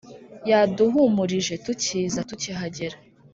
yaduhumurije tukiza, tukihagera